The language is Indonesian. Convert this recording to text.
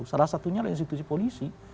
salah satunya adalah institusi polisi